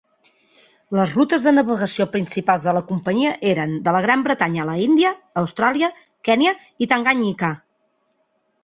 Les rutes de navegació principals de la companyia eren: de la Gran Bretanya a la India, Austràlia, Kènia i Tanganyika.